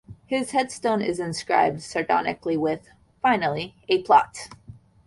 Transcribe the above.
His head stone is inscribed sardonically with: Finally, a plot.